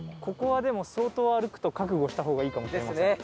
ここはでも相当歩くと覚悟した方がいいかも。ですね。